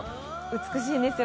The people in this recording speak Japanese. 美しいんですよ。